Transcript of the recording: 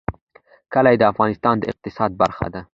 کلي د افغانستان د اقتصاد برخه ده.